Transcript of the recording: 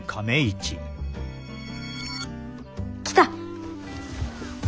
来た！